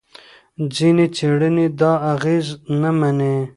ځینې څېړنې دا اغېز نه مني.